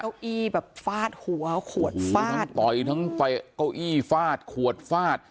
เก้าอี้แบบฟาดหัวขวดฟาดต่อยทั้งเตะเก้าอี้ฟาดขวดฟาด